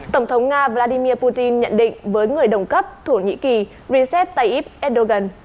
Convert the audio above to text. tổng thống nga vladimir putin nhận định với người đồng cấp thổ nhĩ kỳ recep tayyip erdogan